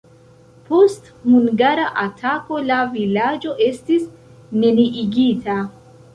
Post hungara atako la vilaĝo estis neniigita.